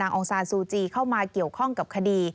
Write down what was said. องซานซูจีเข้ามาเกี่ยวข้องกับคดี